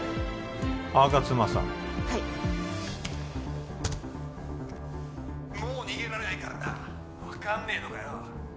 吾妻さんはいもう逃げられないからな分かんねえのかよ